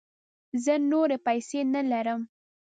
زه نوری پیسې نه لرم